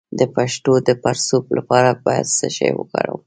د پښو د پړسوب لپاره باید څه شی وکاروم؟